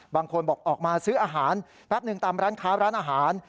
บางคนบอกออกมาซื้ออาหารแป๊บหนึ่งตามร้านค้าร้านอาหาร